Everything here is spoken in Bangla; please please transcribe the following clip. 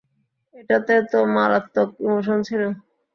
এটাতে তো মারাত্মক ইমোশন ছিল!